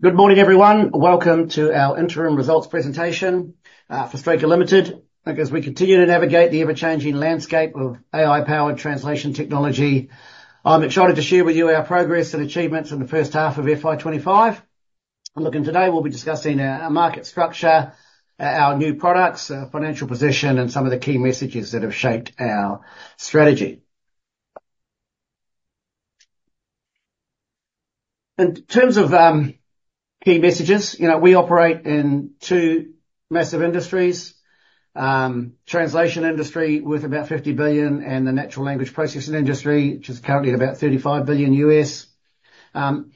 Good morning, everyone. Welcome to our interim results presentation for Straker Ltd. As we continue to navigate the ever-changing landscape of AI-powered translation technology, I'm excited to share with you our progress and achievements in the first half of FY 2025. Today, we'll be discussing our market structure, our new products, our financial position, and some of the key messages that have shaped our strategy. In terms of key messages, we operate in two massive industries: the translation industry worth about $50 billion and the natural language processing industry, which is currently at about $35 billion.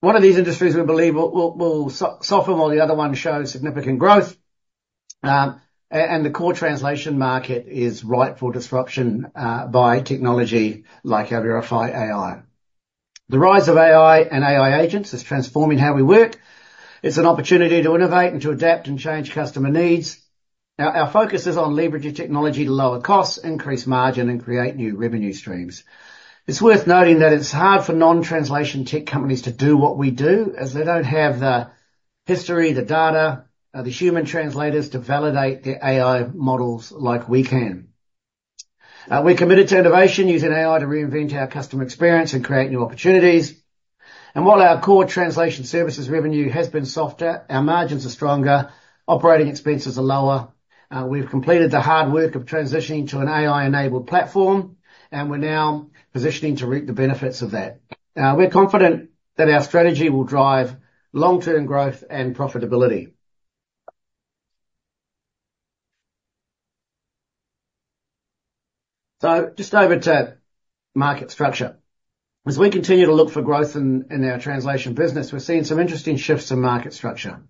One of these industries we believe will soften while the other one shows significant growth. And the core translation market is ripe for disruption by technology like our Verify AI. The rise of AI and AI agents is transforming how we work. It's an opportunity to innovate and to adapt and change customer needs. Our focus is on leveraging technology to lower costs, increase margin, and create new revenue streams. It's worth noting that it's hard for non-translation tech companies to do what we do, as they don't have the history, the data, the human translators to validate their AI models like we can. We're committed to innovation, using AI to reinvent our customer experience and create new opportunities. And while our core translation services revenue has been softer, our margins are stronger, operating expenses are lower. We've completed the hard work of transitioning to an AI-enabled platform, and we're now positioning to reap the benefits of that. We're confident that our strategy will drive long-term growth and profitability. So just over to market structure. As we continue to look for growth in our translation business, we're seeing some interesting shifts in market structure.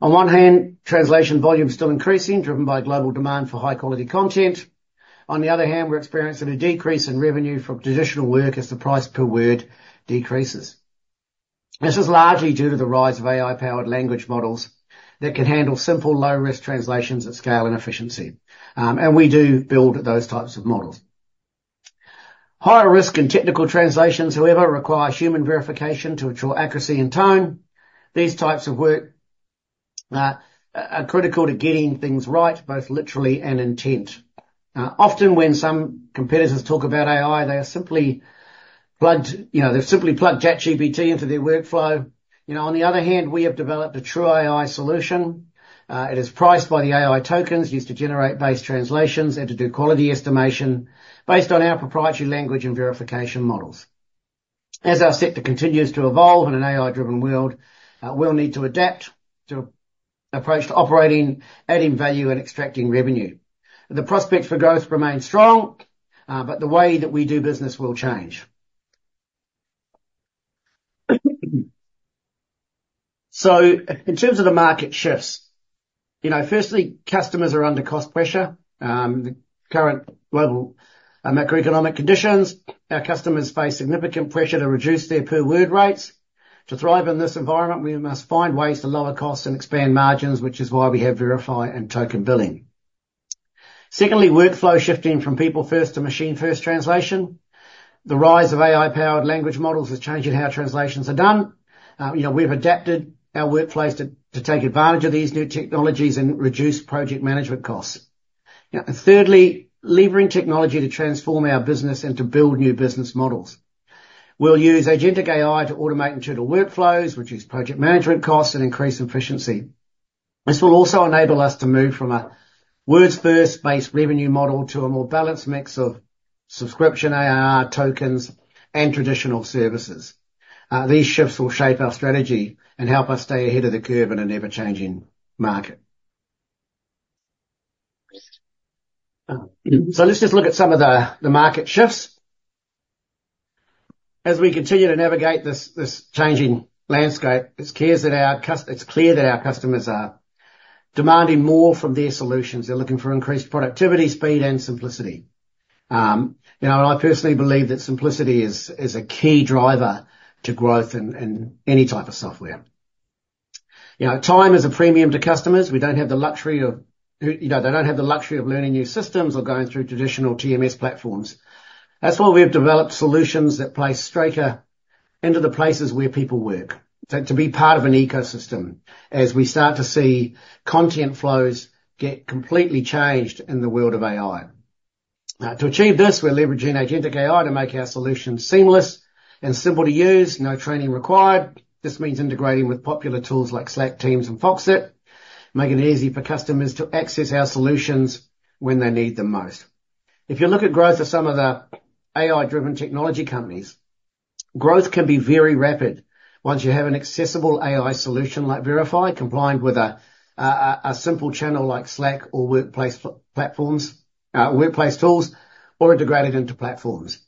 On one hand, translation volume is still increasing, driven by global demand for high-quality content. On the other hand, we're experiencing a decrease in revenue from traditional work as the price per word decreases. This is largely due to the rise of AI-powered language models that can handle simple, low-risk translations at scale and efficiency, and we do build those types of models. Higher-risk and technical translations, however, require human verification to ensure accuracy and tone. These types of work are critical to getting things right, both literally and intent. Often, when some competitors talk about AI, they are simply plugged ChatGPT into their workflow. On the other hand, we have developed a true AI solution. It is priced by the AI tokens used to generate base translations and to do quality estimation based on our proprietary language and verification models. As our sector continues to evolve in an AI-driven world, we'll need to adapt to approach to operating, adding value, and extracting revenue. The prospects for growth remain strong, but the way that we do business will change, so in terms of the market shifts, firstly, customers are under cost pressure. The current global macroeconomic conditions. Our customers face significant pressure to reduce their per-word rates. To thrive in this environment, we must find ways to lower costs and expand margins, which is why we have Verify and Token Billing. Secondly, workflow shifting from people-first to machine-first translation. The rise of AI-powered language models is changing how translations are done. We've adapted our workflows to take advantage of these new technologies and reduce project management costs. Thirdly, levering technology to transform our business and to build new business models. We'll use agentic AI to automate internal workflows, reduce project management costs, and increase efficiency. This will also enable us to move from a words-first based revenue model to a more balanced mix of subscription AI, tokens, and traditional services. These shifts will shape our strategy and help us stay ahead of the curve in an ever-changing market. So let's just look at some of the market shifts. As we continue to navigate this changing landscape, it's clear that our customers are demanding more from their solutions. They're looking for increased productivity, speed, and simplicity. I personally believe that simplicity is a key driver to growth in any type of software. Time is a premium to customers. We don't have the luxury of. They don't have the luxury of learning new systems or going through traditional TMS platforms. That's why we have developed solutions that place Straker into the places where people work, to be part of an ecosystem as we start to see content flows get completely changed in the world of AI. To achieve this, we're leveraging agentic AI to make our solutions seamless and simple to use, no training required. This means integrating with popular tools like Slack, Teams, and Foxit, making it easy for customers to access our solutions when they need them most. If you look at growth of some of the AI-driven technology companies, growth can be very rapid once you have an accessible AI solution like Verify, compliant with a simple channel like Slack or workplace tools, or integrated into platforms.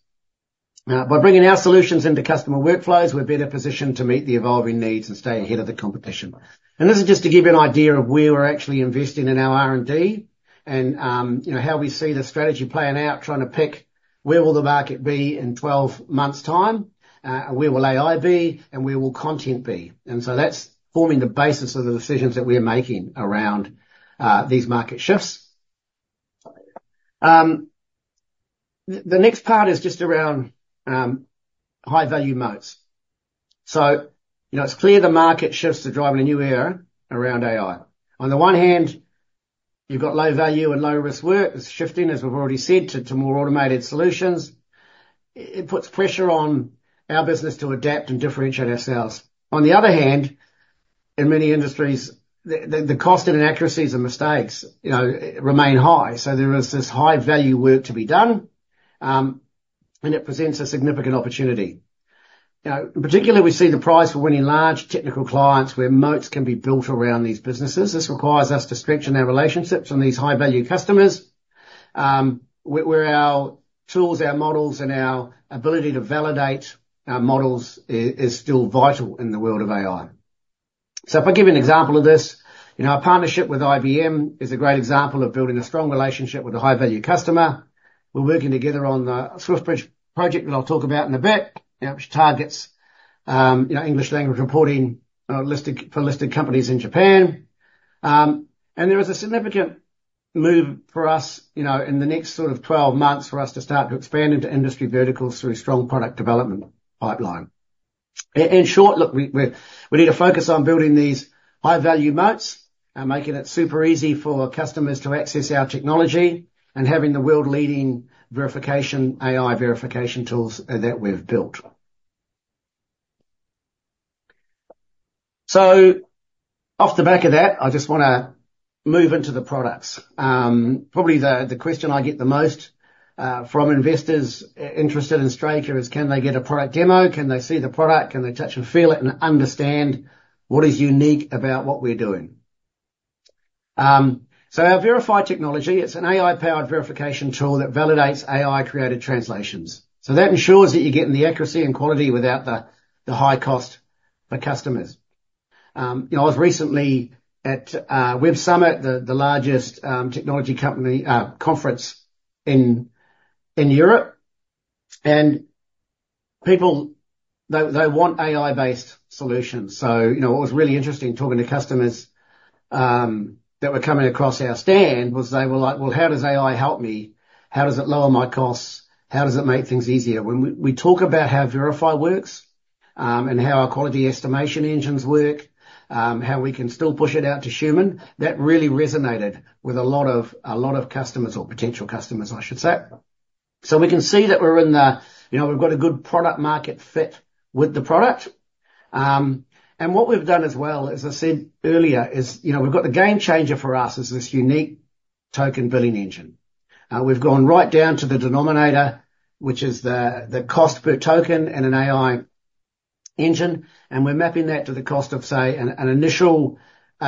By bringing our solutions into customer workflows, we're better positioned to meet the evolving needs and stay ahead of the competition. This is just to give you an idea of where we're actually investing in our R&D and how we see the strategy playing out, trying to pick where will the market be in 12 months' time, and where will AI be, and where will content be. That's forming the basis of the decisions that we are making around these market shifts. The next part is just around high-value modes. It's clear the market shifts to drive in a new era around AI. On the one hand, you've got low-value and low-risk work. It's shifting, as we've already said, to more automated solutions. It puts pressure on our business to adapt and differentiate ourselves. On the other hand, in many industries, the cost and inaccuracies and mistakes remain high. There is this high-value work to be done, and it presents a significant opportunity. Particularly, we see the prize for winning large technical clients where models can be built around these businesses. This requires us to strengthen our relationships with these high-value customers where our tools, our models, and our ability to validate our models is still vital in the world of AI. So if I give you an example of this, our partnership with IBM is a great example of building a strong relationship with a high-value customer. We're working together on the SwiftBridge project that I'll talk about in a bit, which targets English language reporting for listed companies in Japan. And there is a significant move for us in the next sort of 12 months for us to start to expand into industry verticals through strong product development pipeline. In short, look, we need to focus on building these high-value modes and making it super easy for customers to access our technology and having the world-leading AI verification tools that we've built. So off the back of that, I just want to move into the products. Probably the question I get the most from investors interested in Straker is, Can they get a product demo? Can they see the product? Can they touch and feel it and understand what is unique about what we're doing? So our Verify technology. It's an AI-powered verification tool that validates AI-created translations. So that ensures that you're getting the accuracy and quality without the high cost for customers. I was recently at Web Summit, the largest technology conference in Europe, and people, they want AI-based solutions. So what was really interesting talking to customers that were coming across our stand was they were like, "Well, how does AI help me? How does it lower my costs? How does it make things easier?" When we talk about how Verify works and how our quality estimation engines work, how we can still push it out to human, that really resonated with a lot of customers or potential customers, I should say. So we can see that we're in the—we've got a good product-market fit with the product. And what we've done as well, as I said earlier, is we've got the game changer for us is this unique token billing engine. We've gone right down to the denominator, which is the cost per token in an AI engine, and we're mapping that to the cost of, say, an initial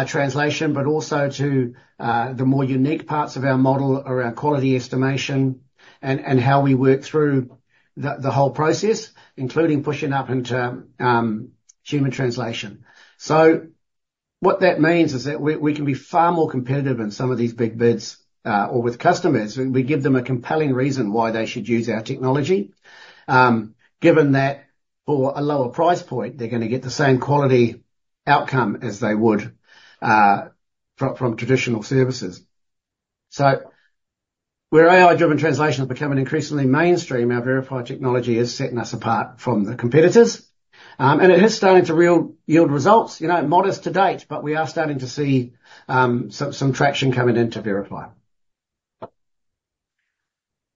translation, but also to the more unique parts of our model around quality estimation and how we work through the whole process, including pushing up into human translation, so what that means is that we can be far more competitive in some of these big bids or with customers. We give them a compelling reason why they should use our technology, given that for a lower price point, they're going to get the same quality outcome as they would from traditional services, so where AI-driven translation is becoming increasingly mainstream, our Verify technology is setting us apart from the competitors, and it is starting to yield results, modest to date, but we are starting to see some traction coming into Verify.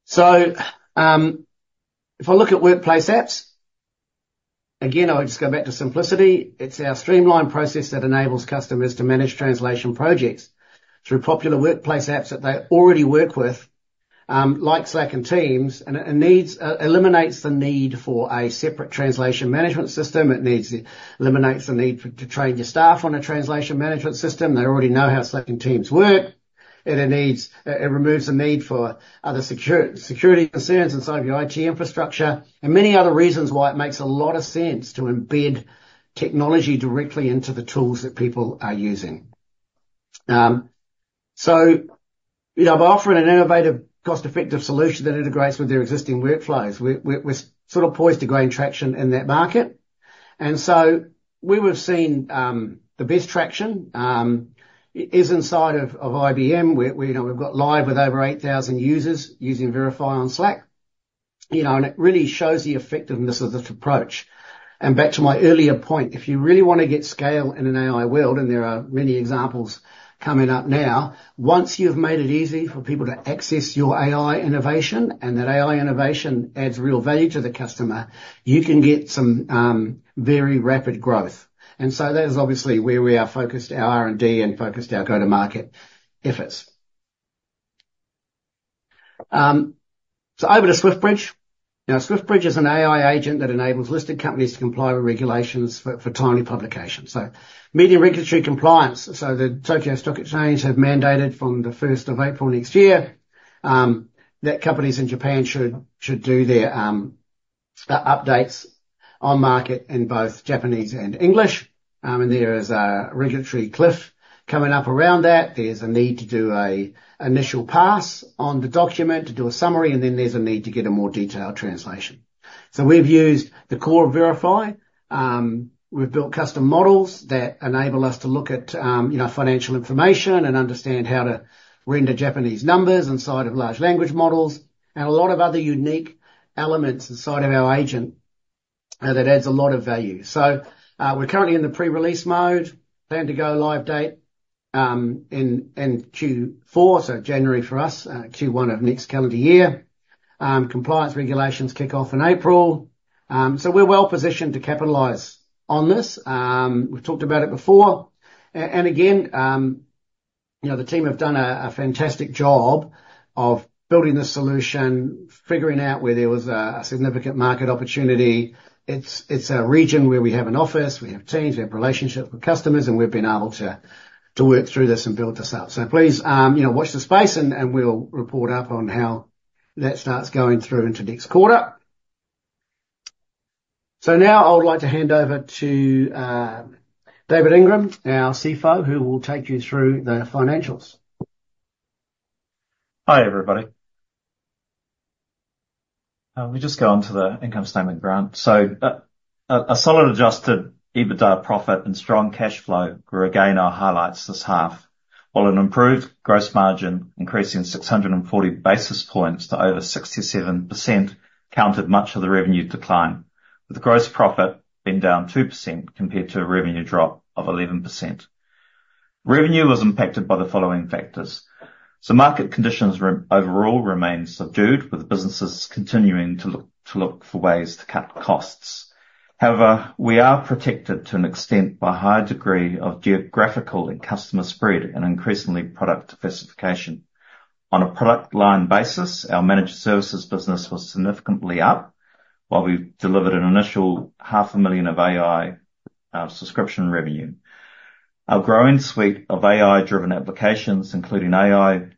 So if I look at workplace apps, again, I'll just go back to simplicity. It's our streamlined process that enables customers to manage translation projects through popular workplace apps that they already work with, like Slack and Teams, and eliminates the need for a separate translation management system. It eliminates the need to train your staff on a translation management system. They already know how Slack and Teams work. It removes the need for other security concerns inside of your IT infrastructure and many other reasons why it makes a lot of sense to embed technology directly into the tools that people are using. So by offering an innovative, cost-effective solution that integrates with their existing workflows, we're sort of poised to gain traction in that market. And so we will have seen the best traction is inside of IBM. We've gone live with over 8,000 users using Verify on Slack. And it really shows the effectiveness of this approach. And back to my earlier point, if you really want to get scale in an AI world, and there are many examples coming up now, once you've made it easy for people to access your AI innovation and that AI innovation adds real value to the customer, you can get some very rapid growth. And so that is obviously where we are focused, our R&D and focused our go-to-market efforts. So over to SwiftBridge. Now, SwiftBridge is an AI agent that enables listed companies to comply with regulations for timely publications. So media regulatory compliance. So the Tokyo Stock Exchange has mandated from the 1st of April next year that companies in Japan should do their updates on market in both Japanese and English. There is a regulatory cliff coming up around that. There's a need to do an initial pass on the document to do a summary, and then there's a need to get a more detailed translation. We've used the core of Verify. We've built custom models that enable us to look at financial information and understand how to render Japanese numbers inside of large language models and a lot of other unique elements inside of our agent that adds a lot of value. We're currently in the pre-release mode, plan to go live date in Q4, so January for us, Q1 of next calendar year. Compliance regulations kick off in April. We're well positioned to capitalize on this. We've talked about it before. Again, the team have done a fantastic job of building the solution, figuring out where there was a significant market opportunity. It's a region where we have an office, we have teams, we have relationships with customers, and we've been able to work through this and build this up. So please watch the space, and we'll report up on how that starts going through into next quarter. So now I would like to hand over to David Ingram, our CFO, who will take you through the financials. Hi everybody. We'll just go on to the income statement, Grant. So a solid adjusted EBITDA profit and strong cash flow grew again our highlights this half, while an improved gross margin increasing 640 basis points to over 67% counted much of the revenue decline, with gross profit being down 2% compared to a revenue drop of 11%. Revenue was impacted by the following factors. So market conditions overall remain subdued, with businesses continuing to look for ways to cut costs. However, we are protected to an extent by a high degree of geographical and customer spread and increasingly product specification. On a product line basis, our managed services business was significantly up, while we delivered an initial 500,000 of AI subscription revenue. Our growing suite of AI-driven applications, including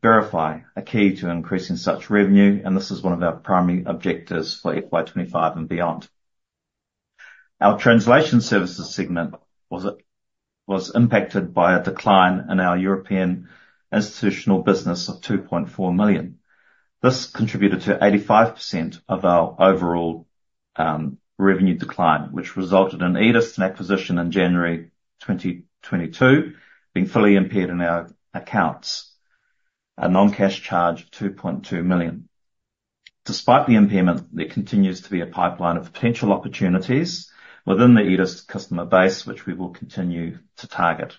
Verify AI, are key to increasing such revenue, and this is one of our primary objectives for FY 2025 and beyond. Our translation services segment was impacted by a decline in our European institutional business of 2.4 million. This contributed to 85% of our overall revenue decline, which resulted in the IDEST acquisition in January 2022 being fully impaired in our accounts, a non-cash charge of 2.2 million. Despite the impairment, there continues to be a pipeline of potential opportunities within the IDEST customer base, which we will continue to target.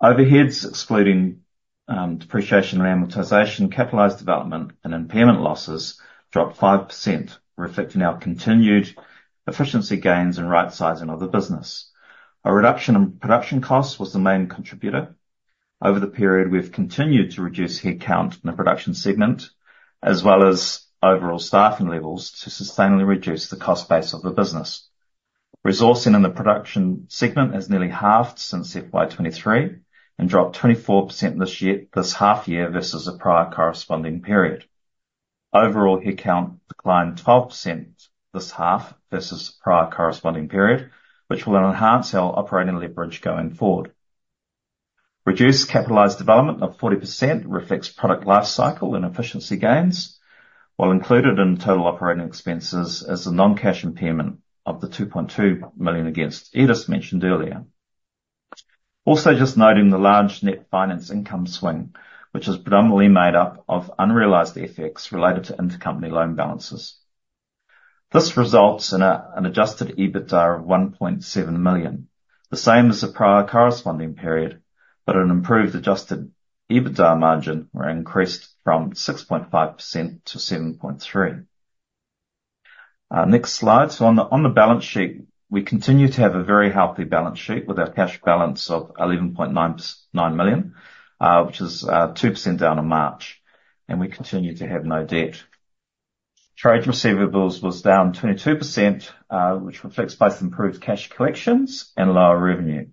Overheads, excluding depreciation and amortization, capitalized development, and impairment losses dropped 5%, reflecting our continued efficiency gains and right-sizing of the business. A reduction in production costs was the main contributor. Over the period, we have continued to reduce headcount in the production segment, as well as overall staffing levels to sustainably reduce the cost base of the business. Resourcing in the production segment has nearly halved since FY 2023 and dropped 24% this half year versus a prior corresponding period. Overall headcount declined 12% this half versus a prior corresponding period, which will enhance our operating leverage going forward. Reduced capitalized development of 40% reflects product life cycle and efficiency gains, while included in total operating expenses is a non-cash impairment of 2.2 million against IDEST mentioned earlier. Also just noting the large net finance income swing, which is predominantly made up of unrealized effects related to intercompany loan balances. This results in an adjusted EBITDA of 1.7 million, the same as a prior corresponding period, but an improved adjusted EBITDA margin which increased from 6.5% to 7.3%. Next slide. On the balance sheet, we continue to have a very healthy balance sheet with our cash balance of 11.9 million, which is 2% down in March, and we continue to have no debt. Trade receivables was down 22%, which reflects both improved cash collections and lower revenue,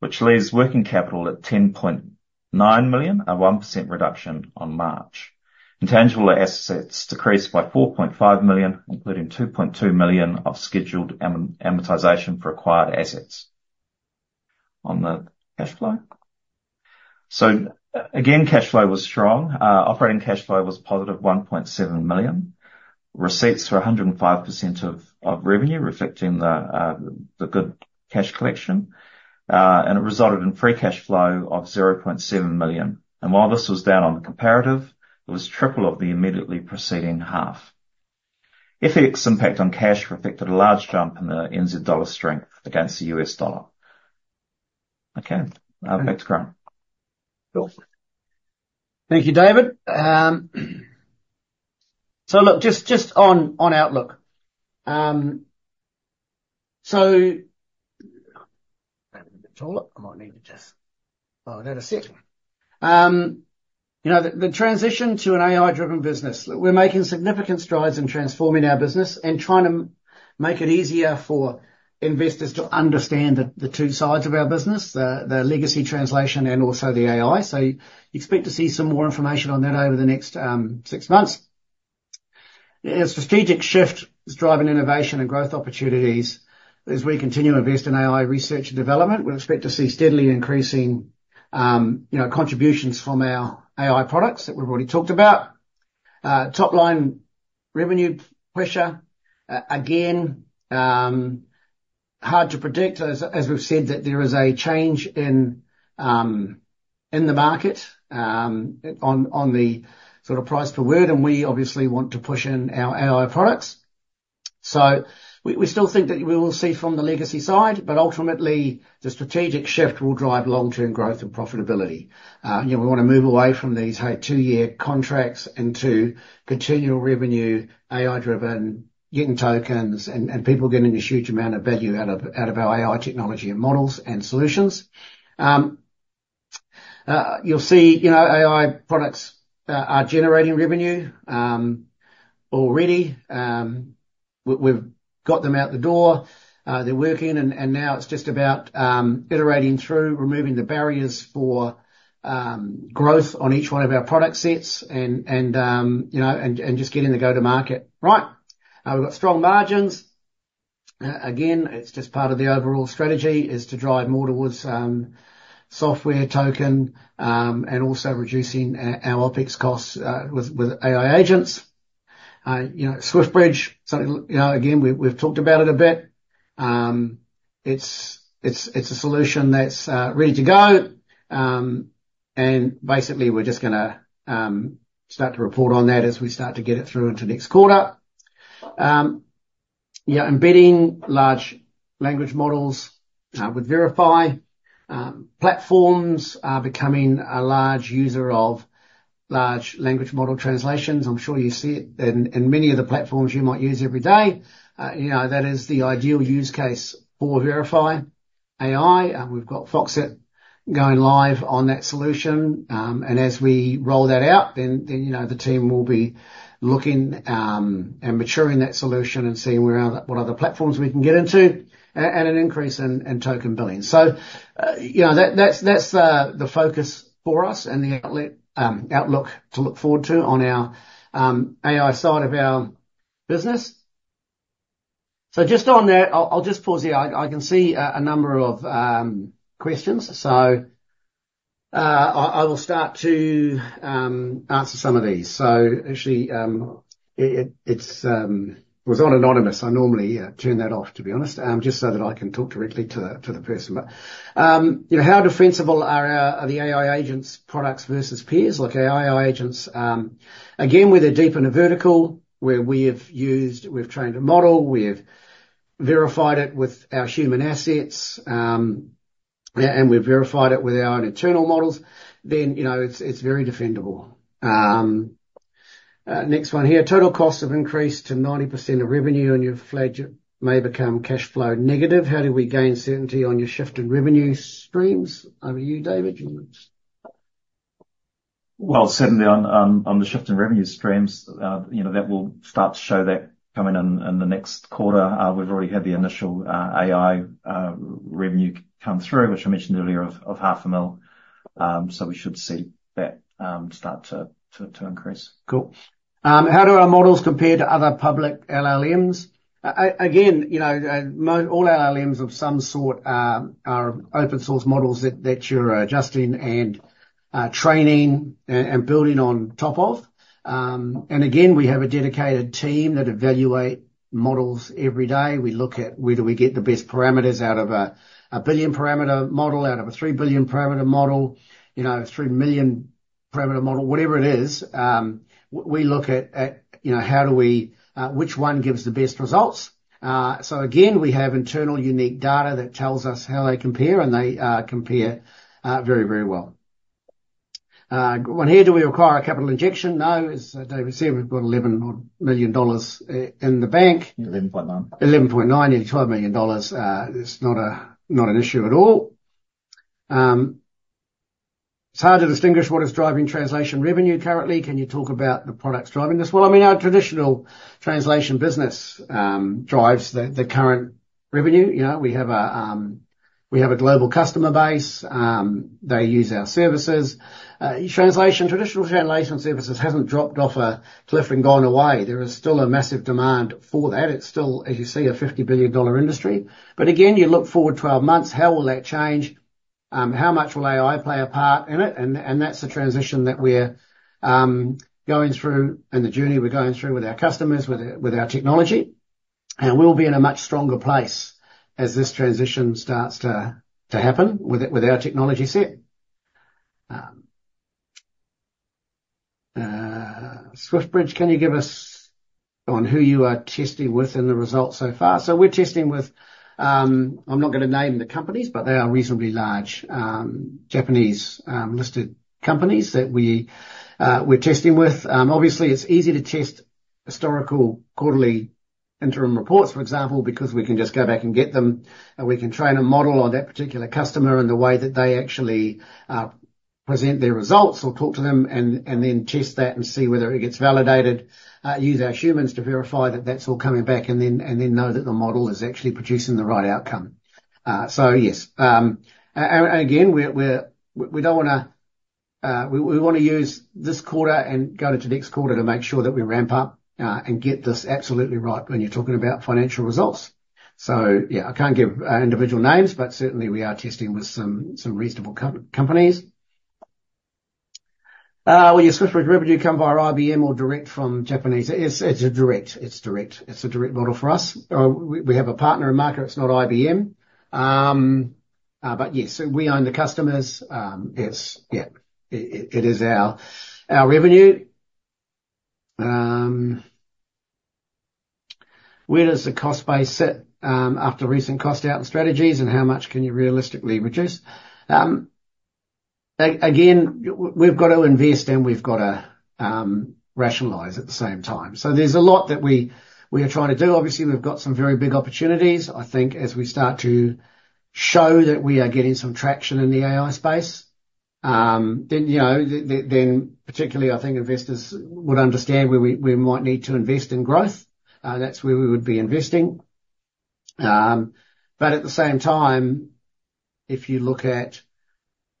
which leaves working capital at 10.9 million, a 1% reduction on March. Intangible assets decreased by 4.5 million, including 2.2 million of scheduled amortization for acquired assets. On the cash flow. Again, cash flow was strong. Operating cash flow was positive 1.7 million. Receipts were 105% of revenue, reflecting the good cash collection, and it resulted in free cash flow of 0.7 million. While this was down on the comparative, it was triple of the immediately preceding half. FX impact on cash reflected a large jump in the NZ dollar strength against the US dollar. Okay. Back to current. Thank you, David. Look, just on Outlook. The transition to an AI-driven business. We're making significant strides in transforming our business and trying to make it easier for investors to understand the two sides of our business, the legacy translation and also the AI. You expect to see some more information on that over the next six months. A strategic shift is driving innovation and growth opportunities as we continue to invest in AI research and development. We expect to see steadily increasing contributions from our AI products that we've already talked about. Top-line revenue pressure, again, hard to predict. As we've said, that there is a change in the market on the sort of price per word, and we obviously want to push in our AI products. So we still think that we will see from the legacy side, but ultimately, the strategic shift will drive long-term growth and profitability. We want to move away from these two-year contracts into continual revenue, AI-driven tokens, and people getting a huge amount of value out of our AI technology and models and solutions. You'll see AI products are generating revenue already. We've got them out the door. They're working, and now it's just about iterating through, removing the barriers for growth on each one of our product sets and just getting the go-to-market right. We've got strong margins. Again, it's just part of the overall strategy is to drive more towards software token and also reducing our OpEx costs with AI agents. SwiftBridge, again, we've talked about it a bit. It's a solution that's ready to go. And basically, we're just going to start to report on that as we start to get it through into next quarter. Embedding large language models with Verify platforms, becoming a large user of large language model translations. I'm sure you see it in many of the platforms you might use every day. That is the ideal use case for Verify AI. We've got Foxit going live on that solution. And as we roll that out, then the team will be looking and maturing that solution and seeing what other platforms we can get into and an increase in token billing. So that's the focus for us and the outlook to look forward to on our AI side of our business. So just on that, I'll just pause here. I can see a number of questions. So I will start to answer some of these. So actually, it was on anonymous. I normally turn that off, to be honest, just so that I can talk directly to the person. But how defensible are the AI agents' products versus peers? Look, our AI agents, again, with a deep in a vertical where we have used, we've trained a model, we have verified it with our human assets, and we've verified it with our internal models, then it's very defendable. Next one here, total costs have increased to 90% of revenue, and your flag may become cash flow negative. How do we gain certainty on your shift in revenue streams? Over to you, David. Certainly on the shift in revenue streams, that will start to show that coming in the next quarter. We've already had the initial AI revenue come through, which I mentioned earlier, of $500,000. So we should see that start to increase. Cool. How do our models compare to other public LLMs? Again, all LLMs of some sort are open-source models that you're adjusting and training and building on top of. And again, we have a dedicated team that evaluate models every day. We look at where do we get the best parameters out of a billion-parameter model, out of a three-billion-parameter model, three-million-parameter model, whatever it is. We look at how do we which one gives the best results. So again, we have internal unique data that tells us how they compare, and they compare very, very well. One here, do we require a capital injection? No. As David said, we've got $11 million in the bank. $11.9. $11.9, yeah, $12 million. It's not an issue at all. It's hard to distinguish what is driving translation revenue currently. Can you talk about the products driving this? Well, I mean, our traditional translation business drives the current revenue. We have a global customer base. They use our services. Traditional translation services hasn't dropped off a cliff and gone away. There is still a massive demand for that. It's still, as you see, a $50 billion industry. But again, you look forward 12 months, how will that change? How much will AI play a part in it? And that's the transition that we're going through and the journey we're going through with our customers, with our technology. We'll be in a much stronger place as this transition starts to happen with our technology set. SwiftBridge, can you give us on who you are testing with in the results so far? We're testing with, I'm not going to name the companies, but they are reasonably large Japanese listed companies that we're testing with. Obviously, it's easy to test historical quarterly interim reports, for example, because we can just go back and get them. We can train a model on that particular customer and the way that they actually present their results or talk to them and then test that and see whether it gets validated, use our humans to verify that that's all coming back and then know that the model is actually producing the right outcome. Yes. Again, we don't want to, we want to use this quarter and go to the next quarter to make sure that we ramp up and get this absolutely right when you're talking about financial results. Yeah, I can't give individual names, but certainly we are testing with some reasonable companies. Will your SwiftBridge revenue come via IBM or direct from Japanese? It's direct. It's direct. It's a direct model for us. We have a partner in market. It's not IBM. Yes, we own the customers. Yeah, it is our revenue. Where does the cost base sit after recent cost out and strategies and how much can you realistically reduce? Again, we've got to invest and we've got to rationalize at the same time. There's a lot that we are trying to do. Obviously, we've got some very big opportunities. I think as we start to show that we are getting some traction in the AI space, then particularly, I think investors would understand where we might need to invest in growth. That's where we would be investing. But at the same time, if you look at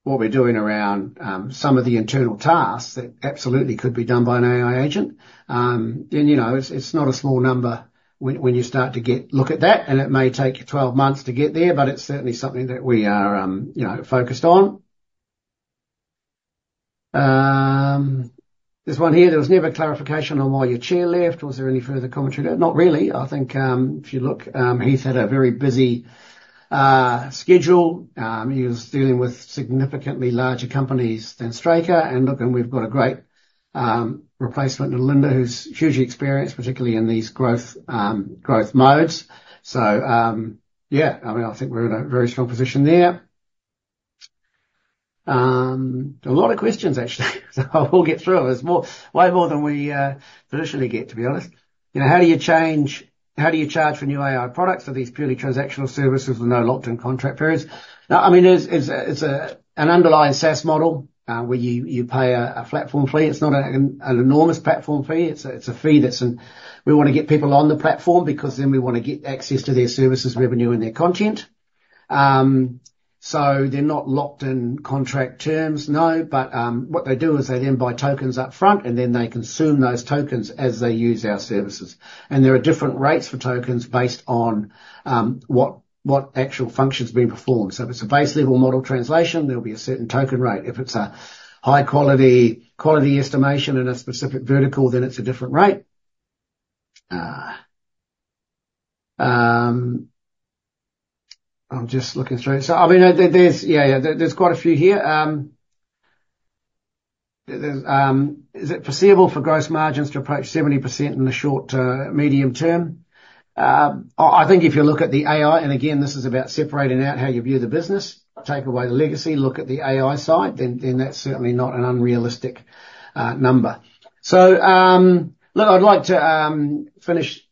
what we're doing around some of the internal tasks that absolutely could be done by an AI agent, then it's not a small number when you start to look at that. And it may take 12 months to get there, but it's certainly something that we are focused on. There's one here. There was never clarification on why your chair left. Was there any further commentary? Not really. I think if you look, he's had a very busy schedule. He was dealing with significantly larger companies than Straker. Look, we've got a great replacement in Linda, who's hugely experienced, particularly in these growth modes. So yeah, I mean, I think we're in a very strong position there. A lot of questions, actually, so we'll get through them. There's way more than we traditionally get, to be honest. How do you charge for new AI products? Are these purely transactional services with no locked-in contract periods? I mean, it's an underlying SaaS model where you pay a platform fee. It's not an enormous platform fee. It's a fee that we want to get people on the platform because then we want to get access to their services, revenue, and their content. So they're not locked-in contract terms, no. But what they do is they then buy tokens upfront, and then they consume those tokens as they use our services. There are different rates for tokens based on what actual functions have been performed. So if it's a base-level model translation, there'll be a certain token rate. If it's a high-quality estimation in a specific vertical, then it's a different rate. I'm just looking through it. So I mean, yeah, yeah, there's quite a few here. Is it foreseeable for gross margins to approach 70% in the short to medium term? I think if you look at the AI, and again, this is about separating out how you view the business, take away the legacy, look at the AI side, then that's certainly not an unrealistic number. So look, I'd like to finish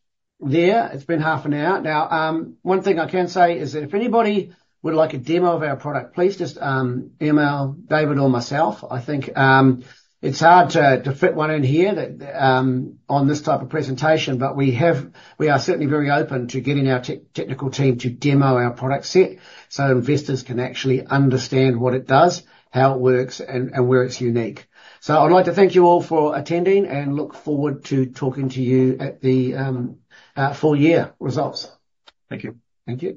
there. It's been half an hour. Now, one thing I can say is that if anybody would like a demo of our product, please just email David or myself. I think it's hard to fit one in here on this type of presentation, but we are certainly very open to getting our technical team to demo our product set so investors can actually understand what it does, how it works, and where it's unique. So I'd like to thank you all for attending and look forward to talking to you at the Full Year results. Thank you. Thank you.